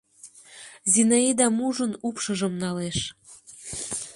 Зинаидам ужын, упшыжым налеш.